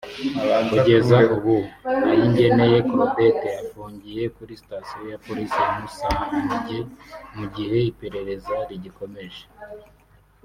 Kugeza ubu Ayingeneye Claudette afungiye kuri Station ya Polisi ya Musange mu gihe iperereza rigikomeza